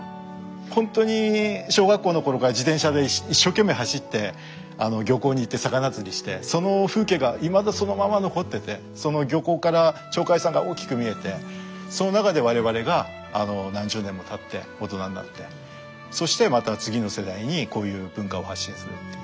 ほんとに小学校の頃から自転車で一生懸命走って漁港に行って魚釣りしてその風景がいまだそのまま残っててその漁港から鳥海山が大きく見えてその中で我々が何十年もたって大人になってそしてまた次の世代にこういう文化を発信するっていう。